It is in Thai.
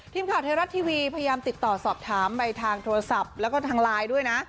ทีมข่าวไทยรัฐทีวีพยายามติดต่อสอบถามไปทางโทรศัพท์แล้วก็ทางไลน์ด้วยนะ